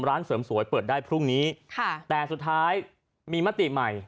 ร้านเสริมสวยเปิดได้พรุ่งนี้ค่ะแต่สุดท้ายมีมติใหม่